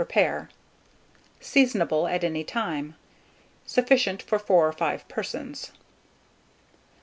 per pair. Seasonable at any time. Sufficient for 4 or 5 persons.